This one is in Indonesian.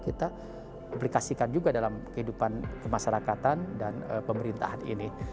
kita aplikasikan juga dalam kehidupan kemasyarakatan dan pemerintahan ini